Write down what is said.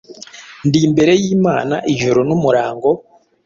Ndi imbere y'Imana ijoro n'umurango,